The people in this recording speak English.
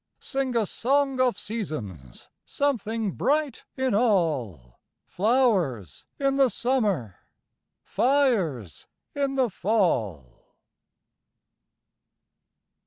Sing a song of seasons! Something bright in all! Flowers in the summer, Fires in the fall!